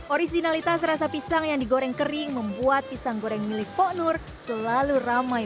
originalitas rasa pisang yang digoreng kering membuat pisang goreng milik pok nur selalu ramai